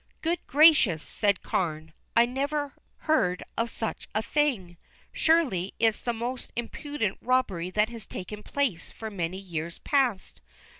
"Good gracious?" said Carne. "I never heard of such a thing. Surely it's the most impudent robbery that has taken place for many years past.